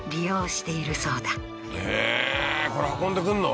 これ運んでくんの？